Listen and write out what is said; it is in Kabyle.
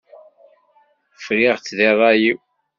Friɣ-tt di ṛṛay-iw.